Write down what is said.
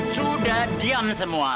sudah diam semua